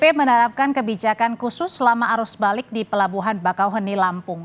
bp menerapkan kebijakan khusus selama arus balik di pelabuhan bakauheni lampung